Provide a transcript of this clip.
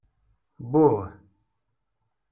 Buh!